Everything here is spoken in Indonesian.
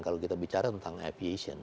kalau kita bicara tentang aviation